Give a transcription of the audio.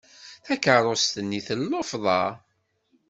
Takerrust-nni tellufḍa.